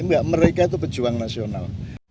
mereka itu pejuang nasional